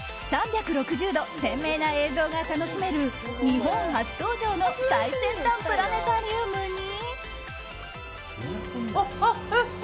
３６０度鮮明な映像が楽しめる日本初登場の最先端プラネタリウムに。